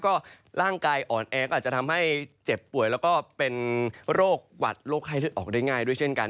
ก็ร่างกายอ่อนแอก็อาจจะทำให้เจ็บป่วยแล้วก็เป็นโรคหวัดโรคไข้เลือดออกได้ง่ายด้วยเช่นกัน